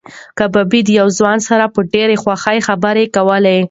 کبابي د یو ځوان سره په ډېرې خوښۍ خبرې کولې.